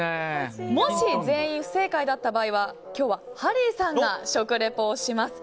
もし、全員不正解だった場合は今日はハリーさんが食リポをします。